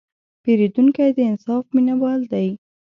پیرودونکی د انصاف مینهوال دی.